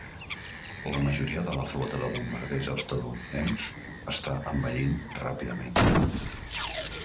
La majoria de la flota de bombarders estatunidencs està envellint ràpidament.